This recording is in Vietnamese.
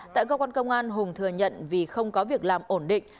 tại cơ quan công an hùng thừa nhận vì không có việc làm ổn định